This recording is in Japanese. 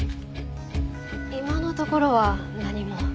今のところは何も。